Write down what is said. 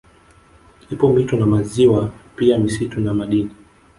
Ipo mito na maziwa pia misitu na madini